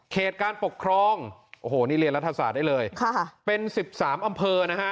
การปกครองโอ้โหนี่เรียนรัฐศาสตร์ได้เลยเป็น๑๓อำเภอนะฮะ